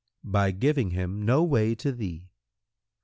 "—"By giving him no way to thee."